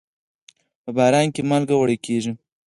په باران کې مالګه وړي کېږي.